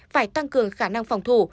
phải tăng cường khả năng phòng thủ